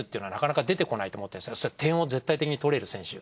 点を絶対的に取れる選手。